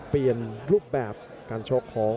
เปลี่ยนรูปแบบการชกของ